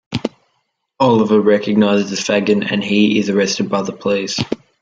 Oliver recognises Fagin and he is arrested by the police.